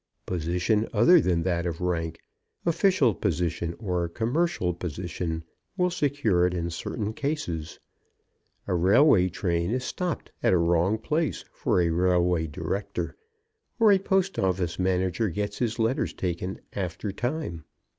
Position other than that of rank, official position or commercial position, will secure it in certain cases. A railway train is stopped at a wrong place for a railway director, or a post office manager gets his letters taken after time.